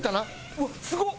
うわすごっ！